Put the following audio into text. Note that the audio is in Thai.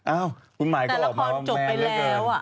อ้าวคุณหมายก็ออกมาว่าแม่แน่เกินแต่ละครจบไปแล้ว